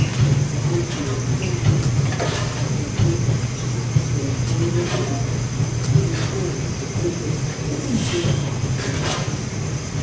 Sir Anthony started. Was this a trap to entangle him? He was born suspicious, and he feared that woman.